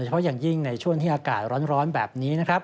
เพราะอย่างยิ่งในช่วงที่อากาศร้อนแบบนี้นะครับ